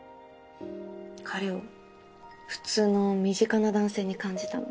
彼を普通の身近な男性に感じたの。